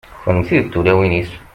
kunemti d tulawin-is